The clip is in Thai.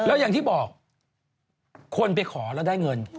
แล้วอย่างที่บอกคนไปขอแล้วได้เงิน